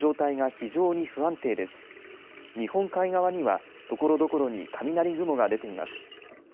日本海側にはところどころに雷雲が出ています。